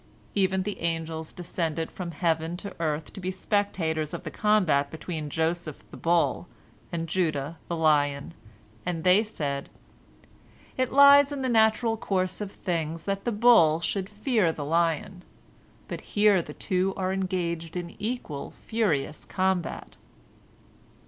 " Even the angels descended from heaven to earth to be spectators of the combat between Joseph the bull and Judah the lion, and they said, "It lies in the natural course of things that the bull should fear the lion, but here the two are engaged in equal, furious combat."